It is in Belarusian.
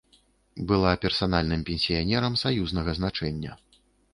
Была персанальным пенсіянерам саюзнага значэння.